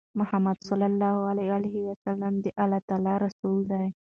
محمد ص د الله تعالی رسول دی.